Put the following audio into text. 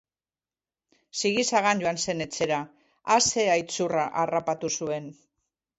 Sigi-sagan joan zen etxera! A ze aitzurra harrapatu zuen!